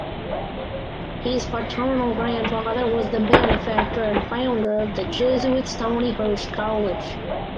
His paternal grandfather was the benefactor and founder of the Jesuit Stonyhurst College.